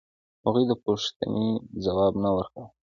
هغوی د پوښتنې ځواب نه ورکاوه.